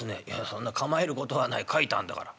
「そんな構えることはない書いてあんだから」。